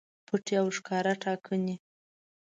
پټې او ښکاره ټاکنې